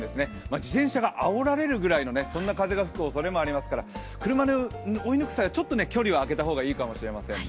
自転車があおられるぐらいのそんな風が吹くおそれもありますから、車で追い抜く際はちょっと距離を開けた方がいいかもしれないですね。